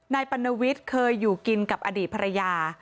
ปัณวิทย์เคยอยู่กินกับอดีตภรรยา